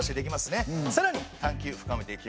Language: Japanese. さらに探究深めていきましょう！